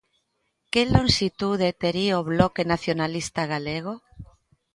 ¿Que lonxitude tería o Bloque Nacionalista Galego?